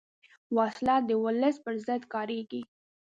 وسله د ولس پر ضد کارېږي